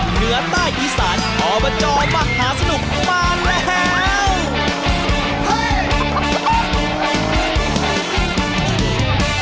เหนือใต้อีสานอบจมหาสนุกมาแล้ว